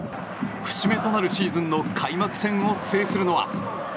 節目となるシーズンの開幕戦を制するのは。